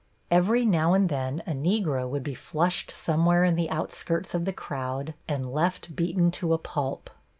Every now and then a Negro would be flushed somewhere in the outskirts of the crowd and left beaten to a pulp.